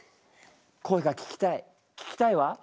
声が聞きたい聞きたいわ。